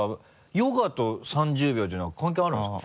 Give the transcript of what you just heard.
ヨガと３０秒っていうのは関係あるんですか？